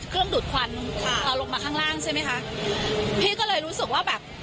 ดูดควันค่ะเอาลงมาข้างล่างใช่ไหมคะพี่ก็เลยรู้สึกว่าแบบ